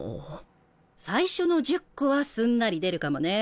最初の１０個はすんなり出るかもね。